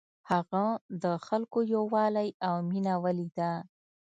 هغه د خلکو یووالی او مینه ولیده.